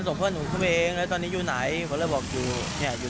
เพื่อนหนูเข้าไปเองแล้วตอนนี้อยู่ไหนผมเลยบอกอยู่เนี่ยอยู่